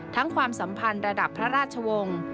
ความสัมพันธ์ระดับพระราชวงศ์